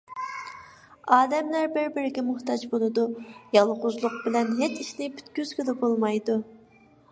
ئادەملەر بىر - بىرىگە موھتاج بولىدۇ. يالغۇزلۇق بىلەن ھېچ ئىشنى پۈتكۈزگىلى بولمايدۇ.